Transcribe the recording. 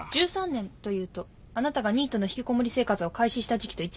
１３年というとあなたがニートの引きこもり生活を開始した時期と一致しますね。